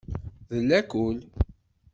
D lakul.